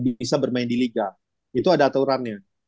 bisa bermain di liga itu ada aturannya